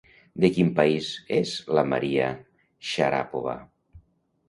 De quin país és la María Sharapova?